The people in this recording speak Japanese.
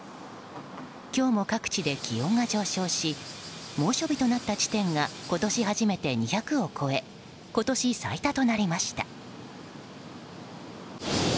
今日も各地で気温が上昇し猛暑日となった地点が今年初めて２００を超え今年最多となりました。